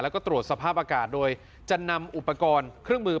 แล้วก็ตรวจสภาพอากาศโดยจะนำอุปกรณ์เครื่องมือ